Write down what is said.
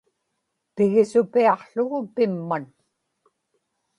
pigisupiaqługu pimman